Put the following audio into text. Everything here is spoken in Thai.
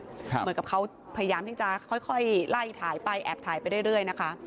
เหมือนกับเขาพยายามที่จะค่อยไล่ถ่ายไปแอบถ่ายไปเรื่อยนะคะ